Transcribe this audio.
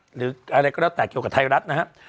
หรืออะไรก็แล้วแต่เกี่ยวกับไทยรัฐนะครับ